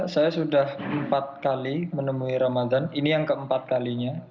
saya sudah empat kali menemui ramadan ini yang keempat kalinya